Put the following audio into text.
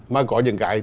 mà có những cái